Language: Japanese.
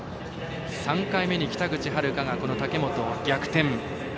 ３回目に北口榛花が武本を逆転。